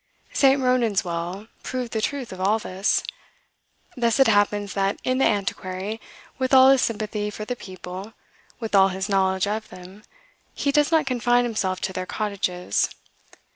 "St. Ronan's Well" proved the truth of all this. Thus it happens that, in "The Antiquary," with all his sympathy for the people, with all his knowledge of them, he does not confine himself to their cottages.